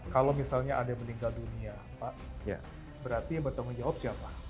kalau misalnya ada yang meninggal dunia pak berarti yang bertanggung jawab siapa